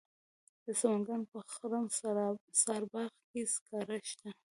د سمنګان په خرم سارباغ کې سکاره شته.